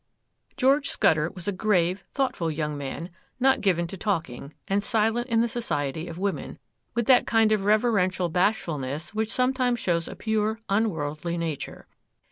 George Scudder was a grave, thoughtful young man,—not given to talking, and silent in the society of women, with that kind of reverential bashfulness which sometimes shows a pure, unworldly nature.